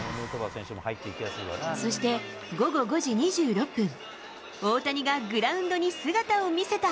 そして、午後５時２６分、大谷がグラウンドに姿を見せた。